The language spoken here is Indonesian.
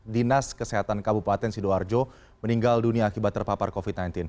dinas kesehatan kabupaten sidoarjo meninggal dunia akibat terpapar covid sembilan belas